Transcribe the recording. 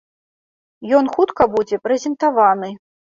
Ён хутка будзе прэзентаваны.